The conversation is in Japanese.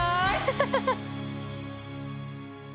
ハハハハ！